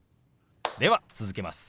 では続けます。